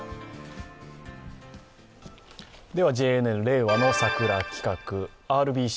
ではＪＮＮ「令和のサクラ」企画ＲＢＣ